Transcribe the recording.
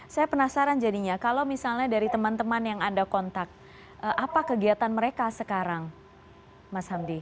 saya penasaran jadinya kalau misalnya dari teman teman yang anda kontak apa kegiatan mereka sekarang mas hamdi